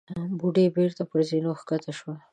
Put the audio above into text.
بوډۍ بېرته پر زينو کښته شوه.